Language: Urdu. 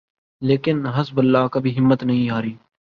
لیکن حزب اللہ کبھی ہمت نہیں ہاری۔